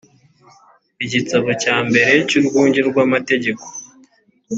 igitabo cya mbere cy urwunge rw amategeko